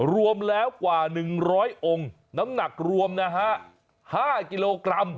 รวมแล้วกว่า๑๐๐องค์น้ำหนักรวมนะฮะ๕กิโลกรัม